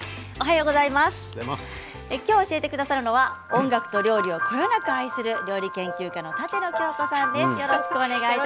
今日教えてくださるのは音楽と料理をこよなく愛する料理研究家の舘野鏡子さんです。